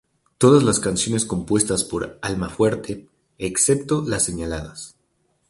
Todas las canciones compuestas por Almafuerte, excepto las señaladas.